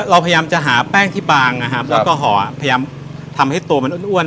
เราพยายามจะหาแป้งที่บางนะครับแล้วก็ห่อพยายามทำให้ตัวมันอ้วน